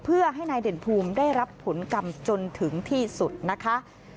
เพื่อให้นายเด่นภูมิได้รับผลกรรมจนถึงที่สุดนะคะ